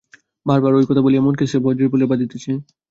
বার বার ঐ কথা বলিয়া মনকে সে বজ্রের বলে বাঁধিতেছে।